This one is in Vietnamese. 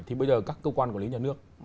thì bây giờ các cơ quan quản lý nhà nước